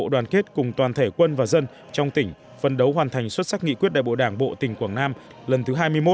đoàn kết cùng toàn thể quân và dân trong tỉnh phân đấu hoàn thành xuất sắc nghị quyết đại bộ đảng bộ tỉnh quảng nam lần thứ hai mươi một